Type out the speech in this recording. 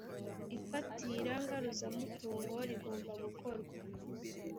ifatira ngaruzamutungo rigomba gukorwa